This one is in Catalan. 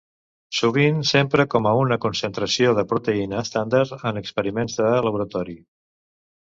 Sovint s'empra com a una concentració de proteïna estàndard en experiments de laboratori.